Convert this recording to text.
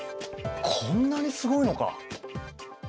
こんなにすごいのか。